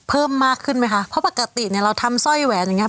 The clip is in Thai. เพิ่มมากขึ้นไหมคะเพราะปกติเนี้ยเราทำสร้อยแหวนอย่างเงี้